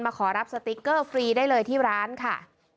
ขอรับสติ๊กเกอร์ฟรีได้เลยที่ร้านค่ะ